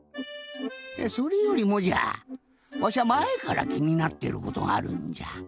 それよりもじゃわしゃまえからきになってることがあるんじゃ。